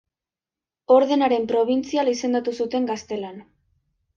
Ordenaren probintzial izendatu zuten Gaztelan.